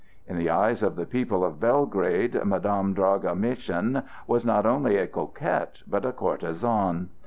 In the eyes of the people of Belgrade Madame Draga Maschin was not only a coquette, but a courtesan.